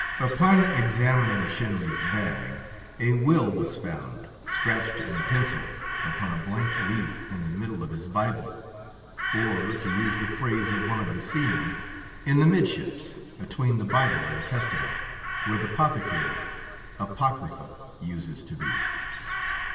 Upon examining Shenly's bag, a will was found, scratched in pencil, upon a blank leaf in the middle of his Bible; or, to use the phrase of one of the seamen, in the midships, atween the Bible and Testament, where the Pothecary (Apocrypha) uses to be.